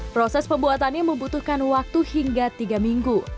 proses pembuatannya membutuhkan waktu hingga tiga minggu